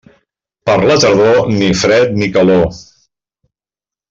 Per la tardor, ni fred ni calor.